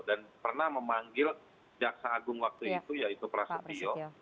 dan pernah memanggil daksa agung waktu itu yaitu prasetyo